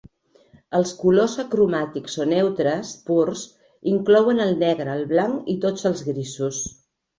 Els colors acromàtics o "neutres" purs inclouen el negre, el blanc i tots els grisos.